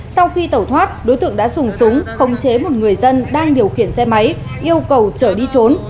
sau khi tẩu thoát đối tượng đã dùng súng khống chế một người dân đang điều khiển xe máy yêu cầu chở đi trốn